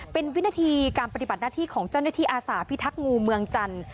เป็นวินาทีการปฏิบัติหน้าที่ของเจ้าหน้าที่อาสาพิทักษ์งูเมืองจันทร์